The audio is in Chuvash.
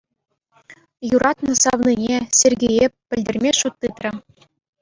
Юратнӑ савнине, Сергее, пӗлтерме шут тытрӗ.